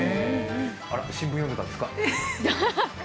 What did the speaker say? あらっ、新聞読んでたんですか？